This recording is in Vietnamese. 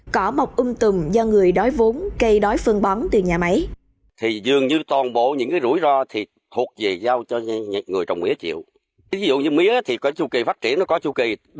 cỏ mọc ung tùm do người đói vốn cây đói phương bóng từ nhà máy